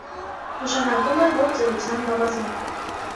Նշանակում է հոր ծերության գավազանը։